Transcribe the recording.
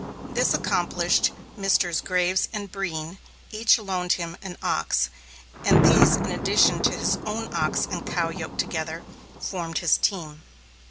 This accomplished, Messrs. Graves and Breen each loaned him an ox, and these in addition to his own ox and cow yoked together, formed his team.